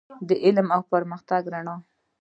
د علم او پرمختګ رڼا.